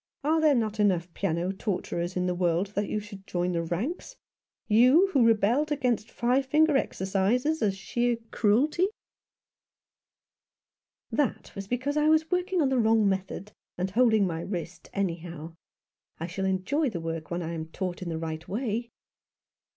Are there not enough piano torturers in the world, that you should join the ranks ? You, who always rebelled against five finger exercises as a sheer cruelty !" 8q Some One who loved Him. "That was because I was working on a wrong method, and holding my wrist anyhow. I shall enjoy the work when I'm taught in the right way."